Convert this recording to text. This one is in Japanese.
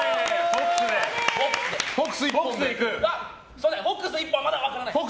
フォックス１本かはまだ分からないです。